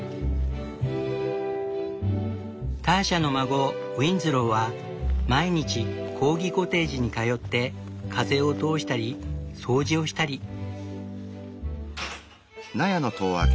ターシャの孫ウィンズローは毎日コーギコテージに通って風を通したり掃除をしたり。